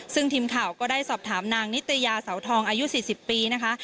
ซึ่งทีมข่าวก็ได้สอบถามนางนิตยาเสาทองอายุ๔๐ปีนะคะ